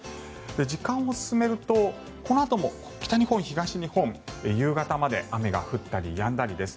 時間を進めるとこのあとも北日本、東日本夕方まで雨が降ったりやんだりです。